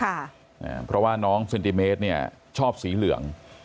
ค่ะเพราะว่าน้องเนี่ยชอบสีเหลือง